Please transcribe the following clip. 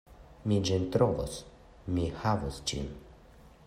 Mi ĝin trovos, mi havos ĝin.